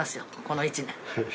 この１年。